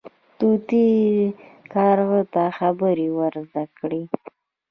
طوطي کارغه ته خبرې ور زده کړې.